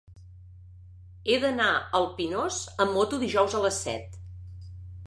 He d'anar al Pinós amb moto dijous a les set.